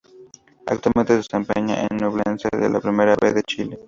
Actualmente se desempeña en Ñublense de la Primera B de Chile.